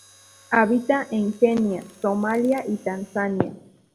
Habita en Kenia, Somalia y Tanzania.